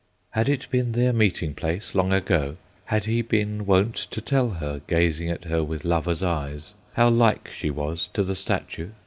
Had it been their meeting place long ago? Had he been wont to tell her, gazing at her with lover's eyes, how like she was to the statue?